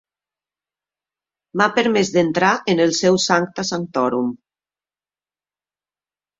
M'ha permès d'entrar en el seu 'sancta sanctorum'.